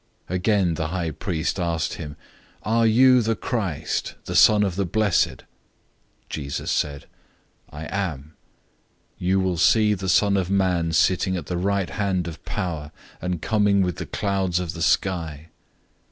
Again the high priest asked him, "Are you the Christ, the Son of the Blessed?" 014:062 Jesus said, "I am. You will see the Son of Man sitting at the right hand of Power, and coming with the clouds of the sky."